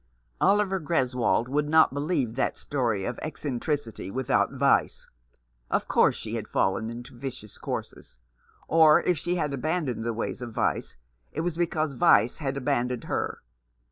Oliver Greswold would not believe that story of eccentricity without vice. Of course she had fallen into vicious courses ; or if she had abandoned the ways of vice, it was because vice had abandoned her.